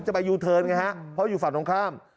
ไปยูเทิร์นไงฮะเพราะอยู่ฝั่งตรงข้าม